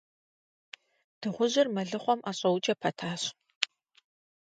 Дыгъужьыр мэлыхъуэм ӀэщӀэукӀэ пэтащ.